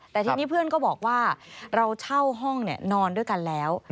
แต่ทีนี้เพื่อนก็บอกว่าเราเช่าห้องนอนด้วยกันแล้ว